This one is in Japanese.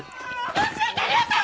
申し訳ありません！